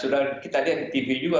dan kita lihat di tv juga